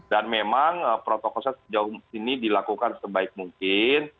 dan memang protokol nya sejauh ini dilakukan sebaik mungkin